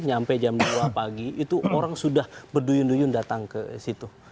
sampai jam dua pagi itu orang sudah berduyun duyun datang ke situ